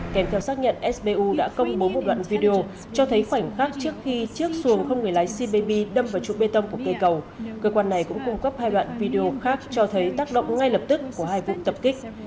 kèm theo xác nhận sbu đã công bố một đoạn video cho thấy khoảnh khắc trước khi chiếc xuồng không người lái cbb đâm vào trụ bê tông của cây cầu cơ quan này cũng cung cấp hai đoạn video khác cho thấy tác động ngay lập tức của hai vụ tập kích